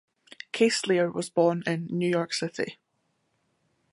Casilear was born in New York City.